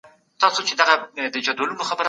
رڼا زړه خوشحالوي